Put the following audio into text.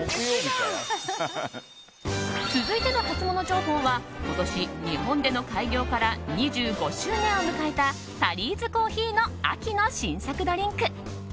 続いてのハツモノ情報は今年、日本での開業から２５周年を迎えたタリーズコーヒーの秋の新作ドリンク。